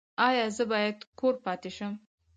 ایا زه باید کور پاتې شم؟